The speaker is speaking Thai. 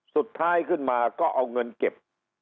สุดท้ายขึ้นมาก็เอาเงินเก็บ